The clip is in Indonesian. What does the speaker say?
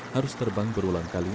harus terbang berulang kali